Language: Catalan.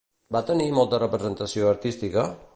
Va tenir molta representació artística?